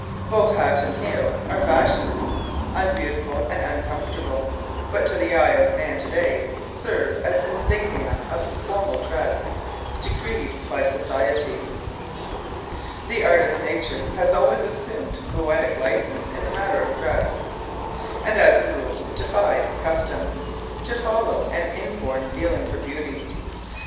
Both hat and heels are fashions, unbeautiful and uncomfortable, but to the eye of man to day serve as insignia of formal dress, decreed by society. The artist nature has always assumed poetic license in the matter of dress, and as a rule defied custom, to follow an inborn feeling for beauty.